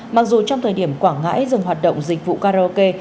mặc dù trong thời điểm quảng ngãi dừng hoạt động dịch vụ karaoke